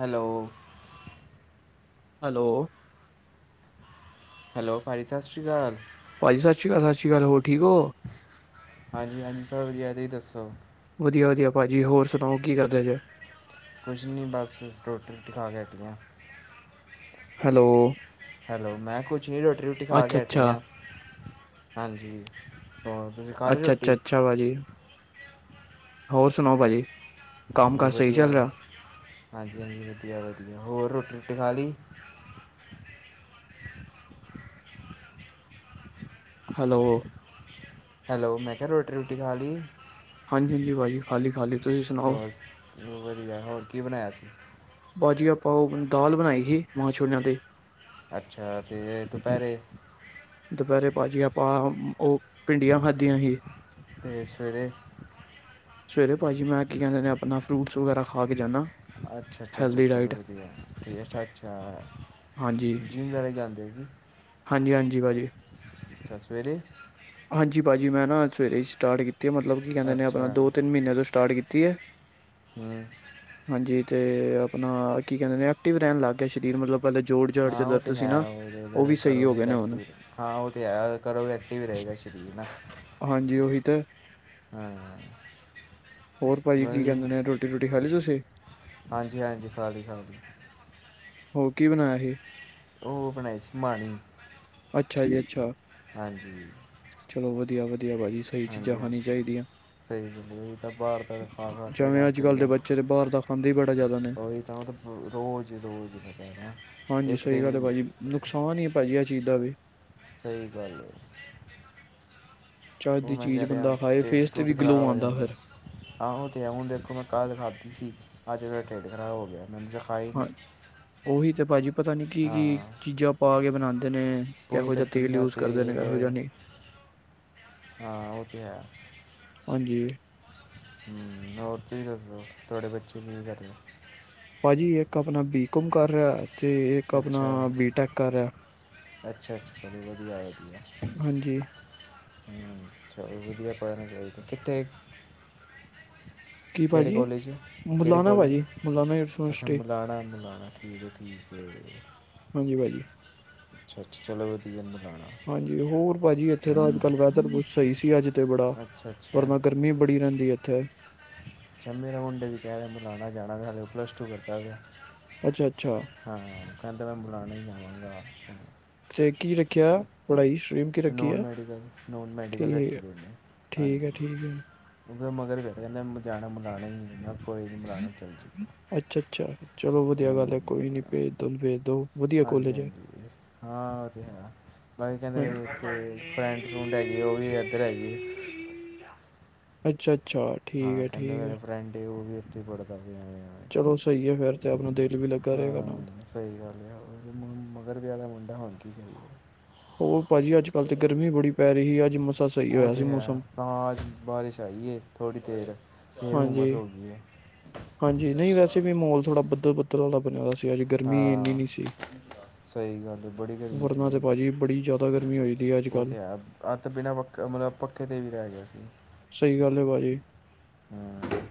Hello hello hello ਭਾਜੀ ਸਤਿ ਸ਼੍ਰੀ ਅਕਾਲ। ਭਾਜੀ ਸਿ ਸ਼੍ਰ ਕਾਲ ਸਿ ਸ਼੍ਰ ਕਾਲ ਹੋ ਠੀਕ ਹੋ। ਹਾਂਜੀ -ਹਾਂਜੀ ਸਭ ਵਧੀਆ ਦੇ ਤੁਹੀ ਦੱਸੋ। ਵਧੀਆ -ਵਧੀਆ ਭਾਅਜੀ ਹੋਰ ਸੁਣਾਓ ਕੀ ਕਰਦੇ ਜੇ ਕੁਛ ਨਹੀਂ ਬਸ ਰੋਟੀ ਰੁਟੀ ਖਾ ਕੇ ਹਟੇ ਆਂ। ਹੈਲੋ ਹੈਲੋ ਮੈਂ ਕੁਛ ਨ ਰੋਟੀ ਰੁਟੀ ਖਾ ਅੱਛਾ ਕੇ ਹਟੇ ਅੱਛਾ ਆਂ। ਹਾਂਜੀ ਹੋਰ ਤੁਸੀਂ ਖਾ ਲੀ ਰੋਟੀ ਇਹ ਵਾਲੀ ਹੋਰ ਸੁਣਾਉ ਭਾਜੀ ਕੰਮ ਕਾਰ ਸਹੀ ਵਧੀਆ ਚੱਲ ਰਿਹਾ ਹਾਂਜੀ -ਹਾਂਜੀ ਵਧੀਆ -ਵਧੀਆ ਹੋਰ ਰੋਟੀ ਰੁਟੀ ਖਾ ਲਈ ਹੈਲੋ ਹੈਲੋ ਮੈਂ ਕਿਹਾ ਰੋਟੀ ਰੁਟੀ ਖਾ ਲਈ ਹਾਂਜੀ- ਹਾਂਜੀ ਭਾਜੀ ਹਾਂਜੀ ਖਾ ਲੀ ਤੁਸੀਂ ਸੁ ਚ ਹੋਰ ਵਧੀਆ ਹੋਰ ਕੀ ਬਣਾਇਆ ਸੀ। ਭਾਜੀ ਆ ਪਾਓ ਦਾਲ ਬਣਾਈ ਸੀ ਮਾਂ ਛੋਲਿਆਂ ਤੇ ਅੱਛਾ ਤੇ ਦੁਪਹਿਰੇ ਦੁਪਹਿਰੇ ਭਾਜੀ ਆਪਾਂ ਉਹ ਭਿੰਡੀਆਂ ਖਾਧੀਆਂ ਹੀ। ਤੇ ਸਵੇਰੇ ਸਵੇਰੇ ਭਾਜੀ ਮੈਂ ਕੀ ਕਹਿੰਦੇ ਆਪਣਾ ਫਰੂਟਸ ਵਗੈਰਾ ਖਾ ਕੇ ਜਾਂਦਾ। ਅੱਛਾ- ਅੱਛਾ- ਅੱਛਾ ਹੈਲਦੀ ਚਲੋ ਡਾਇਟ ਵਧੀਆ ਜੀ ਅੱਛਾ -ਅੱਛਾ ਜੀ ਜਣੇ ਜਾਂਦੇ ਜੀ। ਜੀ ਹਾਂਜੀ ਭਾਜੀ ਅੱਛਾ ਸਵੇਰੇ। ਹਾਂਜੀ ਭਾਅਜੀ ਮੈਂ ਨਾ ਸਵੇਰੇ ਹੀ ਸਟਾਰਟ ਕੀਤੀ ਹੈ ਮਤਲਬ ਕੀ ਕਹਿੰਦੇ ਨੇ ਆਪਣਾ ਅੱਛਾ ਦੋ ਤਿੰਨ ਮਹੀਨਿਆਂ ਤੋਂ ਸਟਾਰਟ ਕੀਤੀ ਹੈ ਹੂੰ ਹਾਂਜੀ ਤੇ ਆਪਣਾ ਕੀ ਕਹਿੰਦੇ ਨੇ ਐਕਟਿਵ ਰਹਿਣ ਲੱਗ ਗਿਆ ਸਰੀਰ ਮਤਲਬ ਪਹਿਲਲੇ ਜੋੜ ਜਾੜ ਚ ਹਾਂ ਉਹ ਦਰਦ ਤੇ ਸੀ ਹੈ ਨਾ ਉਹ ਜਦੋਂ ਵੀ ਸਹੀ ਹੋ ਕਰੋਗੇ ਗਏ ਤਾਂ ਨੇ ਹਣ ਐਕਟਿਵ ਹਾਂ ਉਹ ਤੇ ਹੈ ਕਰੋ ਐਕਟਿਵ ਰਹੇਗਾ ਸਰੀਰ ਨਾ ਹਾਂਜੀ ਉਹੀ ਤੇ ਹਮ ਹੋਰ ਭਾਜੀ ਕੀ ਕਹਿੰਦੇ ਨੇ ਰੋਟੀ ਰੋਟੀ ਖਾ ਲੀ ਤੁਸੀਂ ਹਾਂਜੀ ਹਾਂਜੀ ਖਾ ਲਈ। ਹੋਰ ਕੀ ਬਣਾਇਆ ਸੀ ਉਹ ਬਣਾਈ ਸੀ ਮਾਣੀ ਅੱਛਾ ਜੀ ਅੱਛਾ ਹਾਂਜੀ ਚਲੋ ਵਧੀਆ ਵਧੀਆ ਭਾਜੀ ਸਹੀ ਚੀਜ਼ਾਂ ਹਾਂਜੀ ਖਾਣੀ ਹਾਂਜੀ ਚਾਹੀਦੀਆਂ ਸਹੀ ਹ ਮੈਂ ਤੇ ਬਾਹਰ ਦੀਆਂ ਚੀਜ਼ਾਂ ਖਾ ਖਾ ਕੇ ਜਿਵੇਂ ਅੱਜ ਅੱਕ ਕੱਲ੍ਹ ਦੇ ਗਿਆ। ਬੱਚੇ ਤੇ ਬਾਹਰ ਦਾ ਖਾਂਦੇ ਹੀ ਬੜਾ ਜ਼ਿਆਦਾ ਨੇ ਰੋਜ਼ ਰੋਜ਼ ਮੈਂ ਕਹਿ ਰਿ ਹਾਂਜੀ ਸਹੀ ਗੱਲ ਹੈ ਭਾਜੀ ਨੁਕਸਾਨ ਹੀ ਭਾਜੀ ਆ ਚੀਜ਼ ਦਾ ਵੀ ਸਹੀ ਗੱਲ ਹੈ। ਚੱਜ ਉਹ ਦੀ ਮੈਂ ਚੀਜ਼ ਕਹਿ ਰਿਹਾ ਬੰਦਾ ਹੈ। ਖਾਏ ਪੇਟ ਫੇਸ ਤੇ ਪੇਟ ਵੀ ਗਲੋ ਖਰਾਬ ਹੋ ਆਉਂਦਾ ਜਾਂਦੇ ਹੈ। ਫਿਰ ਆਹੋ ਤੇ ਹੈ। ਹੁਣ ਦੇਖੋ ਮੈਂ ਕੱਲ ਖਾਧੀ ਸੀ। ਅੱਜ ਮੇਰਾ ਢਿੱਡ ਖਰਾਬ ਹੋ ਗਿਆ ਹੈ। ਹਾਂਜੀ ਉਹੀ ਤੇ ਭਾਜੀ ਪਤਾ ਨੀ ਕੀ ਕੀ ਹਾਂ ਚੀਜ਼ਾਂ ਪਾ ਕੇ ਬਣਾਉਂਦੇ। ਕਰਦੇ ਨੇ ਪੋਹੀ ਕਿਹੋ ਦਾ ਜਿਹਾ ਤੇਲ ਗੰਦਾ ਯੂਜ ਕਰਦੇ ਨੇ ਤੇਲ ਕਿਹੋ ਜਿਹਾ ਨਹੀਂ। ਹਾਂ ਉਹ ਤੇ ਹੈ। ਹਾਂਜੀ। ਹੂੰ ਹੋਰ ਤੁਸੀਂ ਦੱਸੋ ਤੁਹਾਡੇ ਬੱਚੇ ਵੀ ਕੀ ਕਰਦੇ। ਭਾਜੀ ਇੱਕ ਆਪਣਾ ਬੀਕੋਮ ਕਰ ਰਿਹਾ ਤੇ। ਇੱਕ ਆਪਣਾ ਅੱਛਾ ਬੀਟੈਕ ਕਰ ਰਿਹਾ ਅੱਛਾ ਅੱਛਾ ਬੜੀ ਵਧੀਆ ਹੈਗੀ ਹੈ। ਹਾਂਜੀ। ਹੂੰ ਚਲ ਵਧੀਆ ਪੜ੍ਰਨ ਗੇ ਕਿੱਥੇ। ਕੀ ਕਿਹੜੇ ਭਾਜੀ ਕਾਲਜ ਕਿਹੜੇ ਮੁਲਾਨਾ ਕਾਲਜ ਭਾਜੀ 'ਚ ਮੁਲਾਨਾ ਅੱਛਾ ਯੂਨੀਵਰਸਿਟੀ ਮਿਲਾਣਾ ਮਿਲਾਣਾ ਠੀਕ ਹੈ ਠੀਕ। ਅਤੇ। ਹਾਂਜੀ ਭਾਜੀ। ਅੱਛਾ ਅੱਛਾ ਚਲੋ ਵਧੀਆ ਮਿਲਾਣਾ। ਹਾਂਜੀ ਹੋਰ ਭਾਜੀ ਇੱਥੇ ਤਾਂ ਅੱਜ ਹਾਂ ਕੱਲ ਬੈਦਰ ਕੁਛ ਸਹੀ ਸੀ। ਅੱਜ ਤੇ ਬੜਾ ਅੱਛਾ ਅੱਛਾ ਵਰਨਾ ਕਦੀ। ਗਰਮੀ ਬੜੀ ਰਹਿੰਦੀ ਹੈ। ਇੱਥੇ। ਅੱਛਾ ਮੇਰੇ ਮੁੰਡੇ ਵੀ ਕਹਿ ਰਹੇ ਮਿਲਾਣਾ ਜਾਣਾ ਹਲੇ ਉਹ ਪਲੱਸ ਟੂ ਕਰਦਾ ਗਾ। ਅੱਛਾ ਅੱਛਾ। ਹਾਂ ਕਹਿੰਦਾ ਮੈਂ ਮਿਲਾਣਾ ਹੀ ਜਾਵਾਂਗਾ। ਤੇ ਕੀ ਰੱਖਿਆ ਪੜ੍ਹਾਈ stream. Non medical non medical ਰੱਖੀ ਹੈ ਉਹਨੇ ਠੀਕ ਹੈ ਹਾਂਜੀ। ਠੀਕ ਹੈ ਕਿਉਕਿ ਮਗਰ ਪਏ ਨੇ ਕਹਿੰਦੇ ਜਾਣਾ ਮੰਗਾਣੇ ਹੀ। ਕੋਈ ਨਹੀਂ ਬੁਲਾਣਾ ਚੱਲ ਜੀ ਅੱਛਾ ਅੱਛਾ ਚਲੋ ਵਧੀਆ ਗੱਲ ਹੂੰ ਹੈ। ਕੋਈ ਨੀ ਭੇਜ ਦੋ ਭੇਜ ਦੋ। ਵਧੀਆ ਹਾਂਜੀ ਕੋਲਜ ਹੈ ਹਾਂਜੀ ਹਾਂ। ਉਹ ਤੇ ਹੈ। ਬਈ ਕਹਿੰਦੇ ਹਾਂਜੀ ਵੀ। ਤੇ ਫਰੈਂਡ ਫਰੁਡ ਹੈਗੀ ਹੈ। ਉਹ ਵੀ ਇੱਧਰ ਹੈਗੀ ਹੈ। ਅੱਛਾ ਅੱਛਾ। ਠੀਕ ਹਾਂ ਹੈ ਕਹਿੰਦੇ ਠੀਕ ਹੈ ਮੇਰੇ ਫਰੈਂਡ ਹੈ। ਉਹ ਵੀ ਉੱਥੇ ਪੜਦਾ ਪਇਆ ਗਾ। ਚਲੋ ਸਹੀ ਹੈ। ਫੇਰ ਤੇ ਆਪਣਾ ਦਿਲ ਵੀ ਲੱਗਾ ਰਹੇਗਾ ਨਾਲ। ਹਾਂ ਸਹੀ ਗੱਲ ਹੈ। ਮਗਰ ਪਿਆ ਗਾ ਮੁੰਡਾ ਹੁਣ ਕੀ ਕਰੀਏ। ਉਹ ਭਾਜੀ ਅੱਜ ਕੱਲ ਤੇ ਗਰਮੀ ਬੜੀ ਪੈ ਰਹੀ ਹੈ। ਅੱਜ ਮਸਾਂ। ਉਹ ਤਾਂ ਹੈ ਤਾਂ ਬਾਰਿਸ਼ ਆਈਏ ਥੋੜ੍ਹੀ ਦੇਰ ਫਿਰ ਹਾਂਜੀ ਹੁੰਮਸ ਹੋ ਗਈ ਹੈ। ਹਾਂਜੀ, ਨਈ ਵੈਸੇ ਵੀ ਮੋਲ ਥੋੜਾ ਬੱਦਲ-ਬੱਦਲ ਆਲਾ ਬਣੇਆ ਦਾ ਸੀ। ਅੱਜ ਗਰਮੀ ਹਾਂ ਏਨੀ ਨਈ ਸੀ। ਸਹੀ ਗੱਲ ਏ, ਬੜੀ ਗਰਮੀ ਵਰਨਾ ਤੇ ਸੀ ਪਾਜੀ ਬੜੀ ਜਾਦਾ ਗਰਮੀ ਹੋਈ ਦੀ ਐ, ਅੱਜ ਕੱਲ੍ਹ। ਅੱਜ ਤੇ ਬਿਨਾਂ ਪੱਖੇ, ਮਤਲਬ ਪੱਖੇ ਤੇ ਵੀ ਰਹੇ ਗਿਆ ਸੀ। ਸਈ ਗੱਲ ਏ ਪਾਜੀ। ਹਾਂ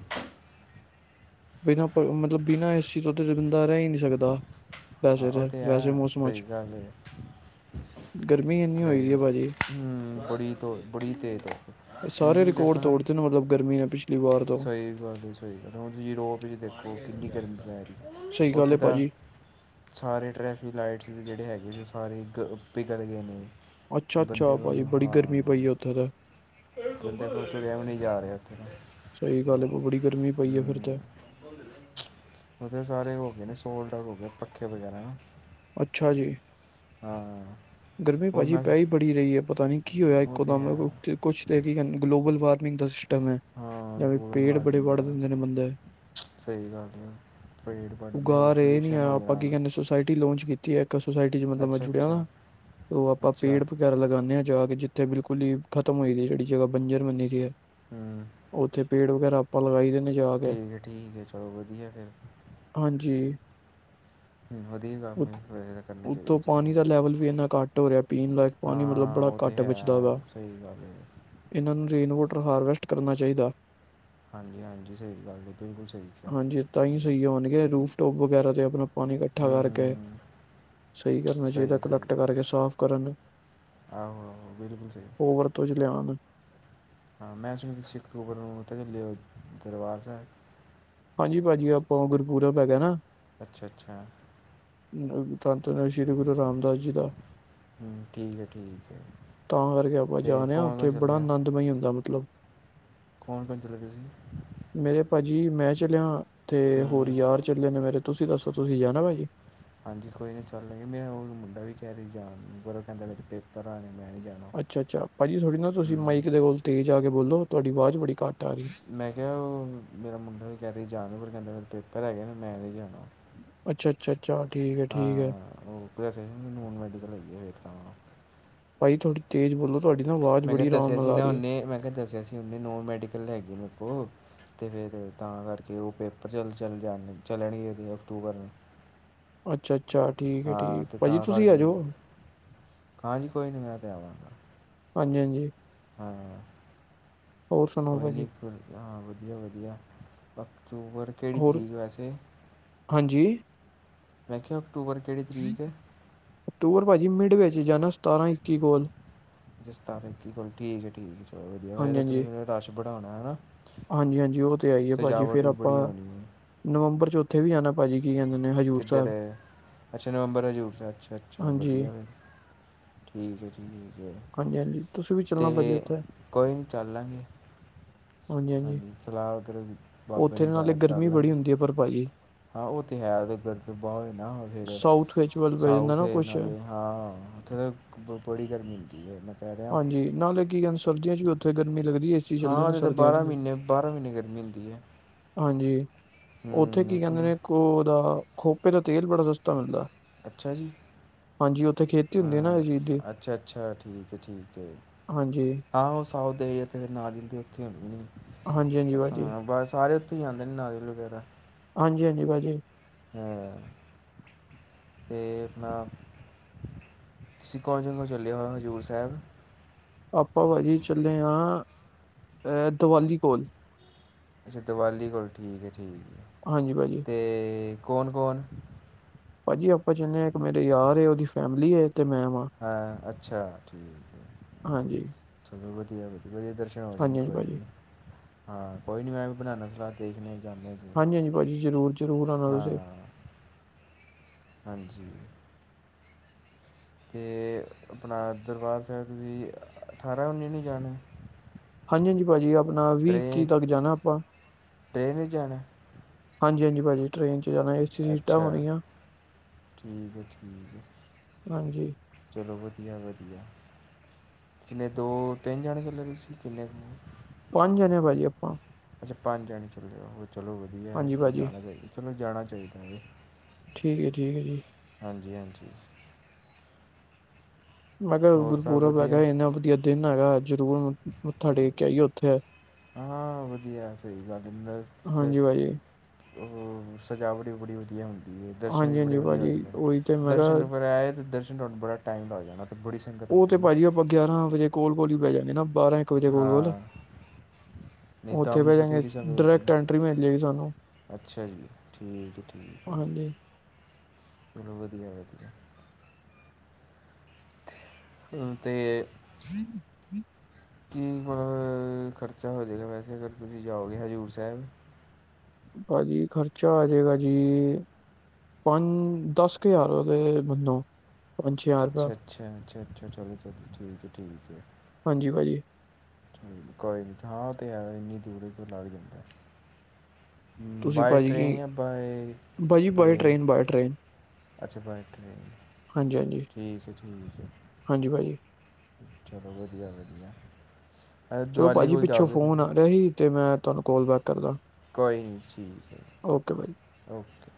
ਬਿਨਾਂ ਪ ਮਤਲਬ ਬਿਨਾਂ ਏ ਸੀ ਤੋ ਤੇ ਬੰਦਾ ਰੇਹ ਈ ਨ ਨੀ ਸਕਦਾ, ਹਾਂ ਵੈਸੇ ਉਹ ਤੇ, ਵੈਸੇ ਈ ਮੌਸਮ ਅੱਜ ਹੈਗਾ, ਭਾਜੀ ਹੂੰ, ਬੜੀ ਤੋਂ ਬੜੀ ਤੇਜ਼ ਤੁੱਪ ਸਾਰੇ ਰਿਕੋਰਡ ਤੋੜਤੇ ਨੇ, ਮਤਲਬ ਗਰਮੀ ਨੇ ਪਿੱਸ਼ ਸਈ ਗੱਲ ਏ, ਸਈ ਗੱਲ ਏ, ਹੁਣ ਯਿਰੋਪ ਇੱਚ ਦੇਖੋ, ਕਿੰਨੀ ਗਰਮੀ ਪੈ ਰਈ। ਸਹੀ ਗੱਲ ਔਥੇ ਹੈ ਤਾਂ ਭਾਜੀ ਸਾਰੇ ਟ੍ਰੈਫਿਕ ਲਾਈਟਸ ਜੇਹੜੇ ਹੈਗੇ ਨੇ, ਉਹ ਸਾਰੇ ਈ ਗ ਪਿਗਲ ਗਏ ਨੇ। ਅੱਛਾ ਬੰਦੇ ਅੱਛਾ ਭਾਜੀ ਵੱਲੋਂ, ਬੜੀ ਹਾਂ। ਗਰਮੀ ਪਈ ਹੈ ਉੱਥੇ ਤਾਂ ਬੰਦੇ ਕੋਲ ਤੁਰਿਆ ਵੀ ਨਈ ਜਾ ਰੇਆ ਉੱਥੇ, ਸਹੀ ਗੱਲ ਹੈ ਬੜੀ ਗਰਮੀ ਪਈ ਹੈ ਫਿਰ ਹੂੰ। ਤੇ ਔਥੇ ਸਾਰੇ ਹੋ ਗਏ ਨੇ, ਸੋਲਡ ਆਉਟ ਹੋ ਗਏ, ਪੱਖੇ ਵਗੈਰਾ ਨਾ। ਅੱਛਾ ਜੀ। ਹਾਂ। ਗਰਮੀ ਹੋਰ ਪਾਜੀ ਮੈਂ ਪੈ ਈ ਬੜੀ ਰਹੀ ਐ, ਪਤਾ ਨੀ ਕੀ ਹੋਇਆ ਉਹ ਇੱਕੋ ਤੇ ਦਮ, ਹੈ ਵ ਔਥੇ? ਕੁੱਛ ਤੇ ਕੀ ਕੈਣਦੇ ਨੇ, ਗਲੋਵਲ ਵਾਰਨਿੰਗ ਦਾ ਸਿਸਟਮ ਏ, ਹਾਂ ਜੈਵੇ ਪੇੜ ਬੜੇ ਵੱਢ ਦਿੰਦੇ ਨੇ ਬੰਦੇ। ਸਈ ਗੱਲ ਏ, ਪੇੜ ਬੜਨੇ, ਹੋਰ ਪੋਲਿਊਸ਼ਨ ਹੋ ਜਾਣਾ। ਸਾਇਟੀ ਲੌਂਚ ਕੀਤੀ ਏ ਏਕ, ਸੋਸਾਇਟੀ ਚ ਮਤਲਬ ਮੈਂ ਅੱਛਾ ਜੁੜਿਆ ਅੱਛਾ ਨਾ। ਔਹ ਆਪਾਂ ਅੱਛਾ ਪੇੜ ਵਗੈਰਾ ਲਗਾਣੇ ਆਂ, ਜਾ ਕੇ ਜਿੱਥੇ ਬਿਲਕੁਲ ਈ ਖਤਮ ਹੋਈ ਦੀ ਏ ਜੇੜੀ ਜਗਾ, ਬੰਜਰ ਬਨੀ ਦੀ ਏ। ਹੂੰ ਔਥੇ ਪੇੜ ਵਗੈਰਾ ਅਪਾਂ ਲਗਾਈ ਦੇ ਨੇ। ਜਾ ਕੇ ਠੀਕ ਏ ਠੀਕ ਏ, ਚਲੋ ਵਦੀਆ ਐ ਫੇਰ। ਹਾਂਜੀ। ਵਦੀਆ ਕੰਮ ਏ, ਉਤ- ਵੈਹੇ ਤਾਂ ਕਰਨਾ ਚਾਹੀਦੇ, ਉੱਤੋਂ ਪਾਣੀ ਚਲੋ। ਦਾ ਲੈਵਲ ਵੀ ਏਨਾ ਘਾਟ ਹੋ ਰੇਆ, ਪੀਣ ਲਾਇੱਕ ਪਾਣੀ, ਮਤਲਬ ਹਾਂ ਬੜਾ ਉਹ ਤਾਂ ਘਾਟ ਹੈ ਬਚਦਾ ਵਾਂ। ਸਹੀ ਗੱਲ ਹੈ ਏਨਾਂ ਨੂੰ ਰੇਨ ਵੋਟਰ ਹਾਰਵੈਸਟ ਕਰਨਾ ਚਾਈਦਾ। ਹਾਂਜੀ-ਹਾਂਜੀ, ਸਈ ਗੱਲ ਏ, ਬਿਲਕੁਲ ਸਈ ਕੇਆ। ਹਾਂਜੀ ਤਾਂ ਈ ਸਈ ਹੋਣਗੇ, ਰੂਫ ਟੋਪ ਵਗੈਰਾ ਤੇ ਅਪਣਾ ਪਾਣੀ ਇਕੱਠਾ ਕਰਕੇ, ਹੂੰ ਸਈ ਕਰਨਾ ਚਾਈਦਾ [unintelligible] ਆਹੋ-ਆਹੋ, ਬਿਲਕੁਲ ਸਈ। ਉਹ ਵਰਤੋਂ ਚ ਲਿਆਉਣ ਹਾਂ ਮੈਂ ਸੁਣਿਆ ਤੁਸੀ ਸਿੱਖ [unintelligible] ਤੇ ਨਈ ਲੇਆ, ਦਰਬਾਰ ਸੈਬ। ਹਾਂਜੀ ਪਾਜੀ, ਆਪਾਂ ਗੁਰਪੁਰਬ ਹੈਗੈ ਏ ਨਾ ਅੱਛਾ-ਅੱਛਾ। ਅ ਧੰਨ-ਧੰਨ ਸ਼੍ਰੀ ਗੁਰੂ ਰਾਮਦਾਸ ਜੀ ਦਾ। ਹੂੰ, ਠੀਕ ਐ, ਠੀਕ ਐ। ਤਾਂ ਕਰਕੇ ਆਪਾਂ ਜਾ ਰੇਆਂ, ਔਥੇ ਬੜਾ ਆਨੰਦਮਈ ਹੁੰਦਾ ਮਤਲਬ। ਕੋਣ-ਕੌਣ ਚੱਲੇ ਤੁਸੀਂ? ਮੇਰੇ ਪਾਜੀ, ਮੈਂ ਚੱਲੇਆ ਤੇ ਹੂੰ ਹੋਰ ਯਾਰ ਚੱਲੇ ਨੇ ਮੇਰੇ। ਤੁਸੀਂ ਦੱਸੋ ਤੁਸੀਂ ਜਾਣਾ ਭਾਜੀ? ਹਾਂਜੀ ਕੋਈ ਨੀ ਚੱਲ ਲਾਗੇ, ਮੇਰਾ ਹੋਣ ਮੁੰਡਾ ਵੀ ਕੇਹ ਰਿਆ ਈ ਜਾਣ ਨੂੰ, ਪਰ ਔ ਕੈੰਦਾ ਡੇਡੀ ਪੇਪਰ ਆ ਰਏ, ਮੈਂ ਨੀ ਜਾਣਾ। ਅੱਛਾ-ਅੱਛਾ, ਭਾਜੀ ਥੋੜ੍ਹੀ ਨਾ ਤੁਸੀਂ ਹੂੰ ਮਾਈਕ ਦੇ ਕੋਲ ਤੇਜ਼ ਆ ਕੇ ਬੋਲੋ, ਤੁਆਡੀ ਵਾਜ ਬੜੀ ਘੱਟ ਆ ਰੀਏ। ਮੈਂ ਕੇਹਾ ਓਹ, ਮੇਰਾ ਮੁੰਡਾ ਵੀ ਕੇਹ ਰਿਆ ਈ ਜਾਣ ਨੂੰ, ਹੁਣ ਕੈੰਦਾ ਮੇਰੇ ਪੇਪਰ ਹੈਗੇ ਨੇ, ਮੈਂ ਨਹੀਂ ਜਾਣਾ। ਅੱਛਾ-ਅੱਛਾ-ਅੱਛਾ, ਠੀਕ ਏ ਠੀਕ ਏ। ਓਹ ਪੈਸੇ, ਨੋਨ ਮੈਡੀਕਲ ਹੈਗੀ ਏ ਏਕ ਤਾਂ। ਪਾਜੀ ਥੋੜੀ ਤੇਜ਼ ਬੋਲੋ, ਤੁਆਡੀ ਨਾ ਆਵਾਜ਼ ਮੈਂ ਕਿਆ ਬੜੀ ਆਰਾਮ ਦੱਸਿਆ ਨਾਲ ਸੀ ਆ ਨਾ ਰਹੀ ਹੈ ਔਨੇ, ਮੈਂ ਕੇਆ ਦੱਸਿਆ ਸੀ ਔਨੇ, ਨੋਨ ਮੈਡੀਕਲ ਹੈਗੀ ਮੇਂਕੋ। ਤੇ ਫੇਰ ਤਾਂ ਕਰਕੇ, ਔ ਪੇਪਰ ਚੱਲ-ਚੱਲ ਜਾਣਗੇ, ਚੱਲਣਗੇ ਏਦੇ ਅਕਟੂਬਰ ਨੂੰ। ਅੱਛਾ ਅੱਛਾ, ਠੀਕ ਹੈ ਹਾਂ ਠੀਕ ਅਤੇ ਭਾਜੀ ਤਾਂ ਤੁਸੀਂ ਆ ਕਰਕੇ ਜੋ। ਹਾਂਜੀ ਕੋਈ ਨਹੀਂ ਮੈਂ ਤੇ ਆਵਾਂਗਾ। ਹਾਂਜੀ ਹਾਂਜੀ। ਹਾਂ। ਹੋਰ ਸੁਣਾਓ ਕੋਈ ਭਾਜੀ ਨੀ ਹਾਂ ਵਧੀਆ-ਵਧੀਆ ਅਕਤੂਬਰ ਕਿਹੜੀ ਹੋਰ ਤਰੀਕ ਵੈਸੇ? ਹਾਂਜੀ। ਮੈਂ ਕੇਆ, ਅਕਟੂਬਰ ਕੇੜੀ ਤਰੀਕ ਏ? ਅਕਟੂਬਰ ਪਾਜੀ ਮਿਡ ਵਿੱਚ ਜਾਣਾ, ਸਤਾਰਾਂ ਇੱਕੀ ਕੋਲ। ਅੱਛਾ ਸਤਾਰਾ ਇੱਕੀ ਕੋਲ, ਠੀਕ ਏ ਠੀਕ ਏ, ਚਲੋ ਵਦੀਆ, ਵੈਸੇ ਤੇ ਔਥੇ ਮੇਰੇ ਰਸ਼ ਬੜਾ ਹੋਣਾ ਏ ਨਾ? ਹਾਂਜੀ ਹਾਂਜੀ, ਓਹ ਤੇ ਹੈ ਹੀ ਏ, ਭਾਜੀ ਸਜਾਵਟ ਫਿਰ ਵੀ ਬੜੀ ਆਪਾਂ ਹੋਣੀ ਹੈ ਨਵੰਬਰ ਚ ਉੱਥੇ ਵੀ ਜਾਣਾ ਭਾਜੀ ਕੀ ਕੈੰਦੇ ਨੇ ਹਜੁ ਕਿੱਧਰ ਅੱਛਾ ਨਵੰਬਰ ਹੈਜ਼ੂਰ ਸਾਹਿਬ। ਅੱਛਾ ਅੱਛਾ, ਹਾਂਜੀ, ਵਧੀਆ। ਠੀਕ ਹੈ ਠੀਕ ਹੈ ਹਾਂਜੀ-ਹਾਂਜੀ ਤੁਸੀਂ ਵੀ ਚੱਲਣਾ ਭਾਜੀ ਤੇ ਉੱਥੇ ਕੋਈ ਨਹੀਂ ਚੱਲ ਲਾਂਗੇ। ਹਾਂਜੀ-ਹਾਂਜੀ ਹਾਂਜੀ ਸਲਾਹ ਕਰੋ ਜੀ ਬਾਬੇ ਨੇ ਉੱਥੇ ਨਾਲੇ ਪਾਇਆ ਤੇ ਗਰਮੀ ਚੱਲ ਬੜੀ ਜੀ। ਹੁੰਦੀ ਐ ਪਰ ਭਾਜੀ ਹਾਂ ਉਹ ਤੇ ਹੈਵੇਂ ਗਰ ਤੇ ਬਵੇ ਨਾ ਫਿਰ ਸਾਊਥ ਵਿੱਚ ਵੱਲ ਪੈ ਜਾਂਦਾ ਸਾਊਥ ਨਾ ਕੁਛ ਇਹਨਾਂ ਨੇ। ਹਾਂ ਔਥੇ ਤੇ ਬੜੀ ਗਰਮੀ ਹੁੰਦੀ ਏ। ਹਾਂਜੀ ਨਾਲੇ ਕੀ ਗੱਲ ਸਰਦੀਆਂ ਚ ਵੀ ਔਥੇ ਗਰਮੀ ਲੱਗਦੀ ਏ। ਸੀ ਚੱਲਦੇ ਨੇ ਹਾਂ ਤੇ ਸਰਦੀਆਂ ਚ ਬਾਰਾਂ ਵੀ ਮਹੀਨੇ ਬਾਰ੍ਹਾਂ ਮਹੀਨੇ ਗਰਮੀ ਹੁੰਦੀ ਐ। ਹਾਂਜੀ ਔਥੇ ਉਹ ਕੀ ਕੈੰਦੇ ਤਾਂ ਨੇ ਇੱਕ ਉਦਾ ਖੋਪੇ ਦਾ ਤੇਲ ਬੜਾ ਸਸਤਾ ਮਿਲਦਾ। ਅੱਛਾ ਜੀ। ਹਾਂਜੀ ਔਥੇ ਖੇਤ ਹਾਂ ਅੱਛਾ ਅੱਛਾ ਠੀਕ ਹੈ ਠੀਕ ਹੈ। ਹਾਂਜੀ ਹਾਂ ਉਹ ਸਾਊ ਦੇਵੀਥ ਨਾਲ ਦੇ ਉੱਥੇ ਹੁੰਦੀ ਹਾਂਜੀ, ਹਾਂਜੀ ਭਾਜੀ ਬ ਸਾਰੇ ਉੱਥੇ ਆ ਜਾਂਦੇ ਨੇ ਨਾਈ ਵਗੈਰਾ ਹਾਂਜੀ ਹਾਂਜੀ ਭਾਜੀ ਹੈ ਤੇ ਆਪਣਾ ਤੁਸੀਂ ਕੌਣ ਜ ਤੋਂ ਚੱਲਿਆ ਹੋਇਆ ਹਜ਼ੂਰ ਸਾਹਿਬ ਆਪਾਂ ਭਾਜੀ ਚੱਲੇ ਹਾਂ ਦੀਵਾਲੀ ਕੋਲ ਅੱਛਾ ਦਿਵਾਲੀ ਕੋਲ ਠੀਕ ਹੈ ਠੀਕ ਹੈ। ਹਾਂਜੀ ਭਾਜੀ ਤੇ ਕੌਣ ਕੌਣ ਭਾਜੀ ਆਪਾਂ ਚਿੰਨਦੇ ਹਾਂ ਇੱਕ ਮੇਰੇ ਯਾਰ ਉਹਦੀ ਫੈਮਿਲੀ ਤੇ ਮੈਂ ਵਾਂ ਹਾਂ ਅੱਛਾ ਠੀਕ ਹੈ ਹਾਂਜੀ, ਚਲੋ ਵਧੀਆ ਵਧੀ ਵਧੀਆ ਦਰਸ਼ਨ ਹੋ ਹਾਂਜੀ, ਹਾਂਜੀ ਕੋਈ ਭਾਜੀ ਨਹੀਂ ਹਾਂ ਕੋਈ ਨੀ ਮੈਂ ਵੀ ਬਣਾਉਣਾ ਸਲਾਹ ਦੇਖਣ ਜਾਂਦੇ ਤੁ ਹਾਂਜੀ, ਹਾਂਜੀ ਭਾਜੀ ਜ਼ਰੂਰ, ਜ਼ਰੂਰ ਆਣਾ ਤੁਸੀਂ ਹਾਂ ਹਾਂਜੀ ਤੇ ਆਪਣਾ ਦਰਬਾਰ ਸਾਹਿਬ ਵੀ ਠਾਹਰਾਂ ਉਨੀ ਨੂ ਜਾਣਾ ਹਾਂਜੀ ਹਾਂਜੀ ਭਾਜੀ ਆਪਣਾ ਵੀ ਇੱਕੀ ਟ੍ਰੇਨ ਤੱਕ ਜਾਣਾ ਆਪਾਂ ਟ੍ਰੇਨ ਵਿੱਚ ਜਾਣਾ ਹਾਂਜੀ ਹਾਂਜੀ ਭਾਜੀ ਟ੍ਰੇਨ ਚ ਜਾਣਾ ਏਸੀ ਸੀਟਾਂ ਅੱਛਾ ਹੋਣਗੀਆਂ ਠੀਕ ਹੈ ਠੀਕ ਹੈ। ਹਾਂਜੀ ਚਲੋ ਵਧੀਆ ਵਧੀਆ ਕਿੰਨੇ ਦੋ ਤਿੰਨ ਜਾਣੇ ਚੱਲੇ ਤੁਸੀਂ ਕਿੰਨੇ ਪੰਜ ਜਾਣੇ ਭਾਜੀ ਆਪਾਂ ਅੱਛਾ ਪੰਜ ਜਣੇ ਚੱਲ ਚਲੋ ਹਾਂਜੀ ਭਾਜੀ ਜਾਣਾ ਚਾਹੀਦਾ ਚਲ ਜਾਣਾ ਚਾਹੀਦਾ ਵੀ ਠੀਕ ਹੈ, ਠੀਕ ਹੈ ਜੀ। ਹਾਂਜੀ ਹਾਂਜੀ ਮੈਂ ਕਿਹਾ ਹੋਰ ਸਭ ਗੁਰਪੁਰਬ ਹੈਗਾ ਵਧੀਆ ਇੰਨਾ ਵਧੀਆ ਦਿਨ ਹੈਗਾ ਜ਼ਰੂਰ ਮੱਥਾ ਟੇਕ ਕੇ ਆਈਏ ਉੱਥੇ ਹਾਂ ਵਧੀਆ ਸਹੀ ਗੱਲ ਇੰਦਰ ਹਾਂਜੀ ਭਾਜੀ ਉਹ ਸਜਾਵਟ ਵੀ ਬੜੀ ਵਧੀਆ ਹੁੰਦੀ ਦਰਸ਼ਨ ਵੀ ਹਾਂਜੀ ਬੜੇ ਹਾਂਜੀ ਵਧੀਆ ਭਾਜੀ ਹੋਏ ਨੇ ਉਹੀ ਤੇ ਮੈਂ ਦਰਸ਼ਨ ਕਿਹਾ ਨੰਬਰ ਹੈ ਦਰਸ਼ਨ ਨੂੰ ਬੜਾ ਟਾਈਮ ਲੱਗ ਜਾਣਾ ਹੈ ਤੇ ਬੜੀ ਸੰਗਤ ਉਹ ਆਉਂਦੀ ਤੇ ਹੈ ਨਾ ਭਾਜੀ ਆਪਾਂ ਗਿਆਰਾਂ ਵਜੇ ਕੋਲ ਕੋਲ ਬਹਿ ਜਾਂਗੇ ਨਾ ਬਾਰਾਂ ਇੱਕ ਵਜੇ ਕੋਲ ਕੋਲ ਹਾਂ ਨਹੀਂ ਤਾਂ ਉੱਥੇ ਵੀ ਬਹਿ ਜਾਂਗ ਬਥੇਰੀ ਸੰਗਤ ਹੁੰਦੀ ਡਾਇਰੈਕਟ ਨਾ ਐਂਟਰੀ ਮਿਲ ਜਾਏਗੀ ਸਾਨੂੰ ਅੱਛਾ ਜੀ। ਠੀਕ ਹੈ- ਠੀਕ ਹੈ। ਹਾਂਜੀ ਚਲੋ, ਵਧੀਆ- ਵਧੀਆ, ਤੇ। ਹਮ [unintelligible] ਕੀ ਮਲਬ, ਖਰਚਾ ਹੋ ਜਾਵੇਗਾ। ਵੈਸੇ, ਅਗਰ ਤੁਸੀਂ ਜਾਓਗੇ ਹਜ਼ੂਰ ਸਾਹਿਬ? ਭਾਜੀ, ਖਰਚਾ ਆਜੇਗਾ ਜੀ। ਪੰਜ, ਦਸ ਕੁ ਹਜ਼ਾਰ ਤੇ, ਮੰਨੋ। ਪੰਜ ਛੇ ਹਜ਼ਾਰ ਰੁਪਇਆ ਅੱਛਾ- ਅੱਛਾ, ਅੱਛਾ- ਅੱਛਾ, ਚਲੋ ਤਾ ਠੀਕ ਹੈ- ਠੀਕ ਹੈ। ਹਾਂਜੀ। ਭਾਅ ਜੀ। ਕੋਈ ਨੀ, ਹਾਂ ਉਤੇ ਹੈ। ਇੰਨੀ ਦੂਰੀ ਤੇ ਲੱਗ ਜਾਂਦਾ। ਤੁਸੀਂ ਬਾਏ ਭਾਜੀ ਟ੍ਰਰੇਨ, ਕੀ ਜਾਂ ਬਾਏ ਭਾਜੀ by plane. Train by train ਅੱਛਾ, ਬਾਏ ਟਰੇਨ, ਹਾਂਜੀ ਹਾਂਜੀ ਠੀਕ ਹੈ- ਠੀਕ ਹੈ। ਹਾਂਜੀ, ਭਾਅਜੀ। ਚਲੋ, ਵਧੀਆ- ਵਧੀਆ। ਅ ਚਲੋ ਦੀਵਾਲੀ ਭਾਜੀ, ਕੋਲ ਪਿੱਛੋਂ ਜਾਓਗੇ ਫੋਨ ਤੁਸੀਂ ਆ ਰਿਹਾ ਸੀ। ਤੇ ਮੈਂ, ਤੁਹਾਨੂੰ ਕਾਲ ਬੈਕ ਕਰਦਾ। ਕੋਈ ਨਹੀਂ। ਠੀਕ ਹੈ, ਓਕੇ ਬਾਈ ਓਕੇ।